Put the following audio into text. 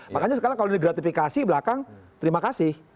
makanya sekarang kalau ini gratifikasi belakang terima kasih